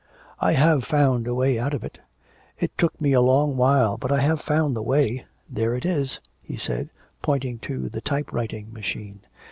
'I have found a way out of it. It took me a long while, but I have found the way there it is,' he said, pointing to the type writing machine.